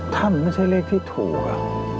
ถ้ามันไม่ใช่เลขที่ถูกอะ